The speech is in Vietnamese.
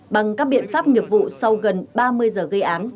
bằng các biện pháp nghiệp vụ sau gần ba mươi giờ gây án